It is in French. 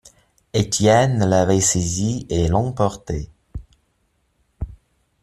Étienne l’avait saisie et l’emportait.